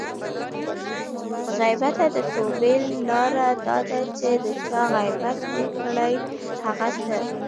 له غیبته د توبې لاره دا ده چې د چا غیبت دې کړی؛ هغه ته